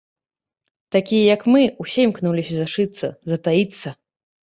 Такія, як мы, усё імкнуліся зашыцца, затаіцца.